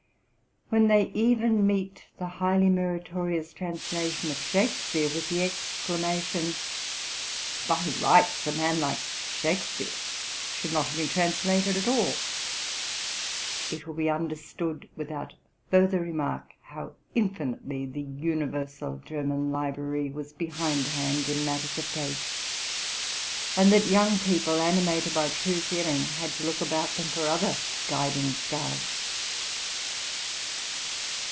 When they even meet the highly meritorious translation of Shakspeare with the exclamation, '' By rights, a man like Shakspeare should not have been translated at all!'' it will be understood, without further remark, how infinitely ': The Universal Ger man Library '' was behind hand in matters of taste, and that young people, animated by true feeling, had to look about them for other guiding stars.